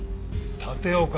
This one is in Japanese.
立岡？